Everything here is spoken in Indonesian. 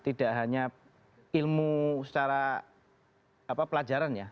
tidak hanya ilmu secara pelajaran ya